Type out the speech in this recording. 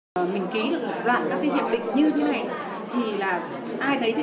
nhưng ngược lại thì kiến thức của các doanh nghiệp dệt may hiện giờ nói thực ra là rất là thiếu